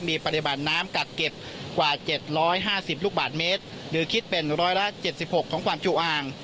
มีปริมาณน้ำกัดเก็บกว่า๗๕๐ลูกบาทเมตรหรือคิดเป็นร้อยละ๗๖ของความจุอ่าง